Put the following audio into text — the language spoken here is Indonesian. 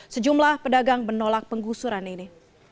sejumlah pedagang menolak penggusuran ini